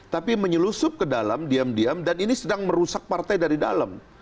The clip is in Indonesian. tapi menyelusup ke dalam diam diam dan ini sedang merusak partai dari dalam